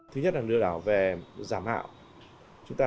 thứ nhất là lừa đảo về giả mạo